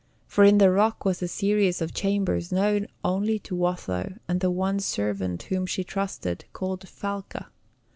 For in the rock was a series of chambers, known only to Watho and the one servant whom she trusted, called Falca.